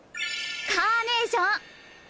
カーネーション！